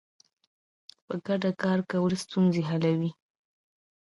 په ګډه کار کول ستونزې حلوي.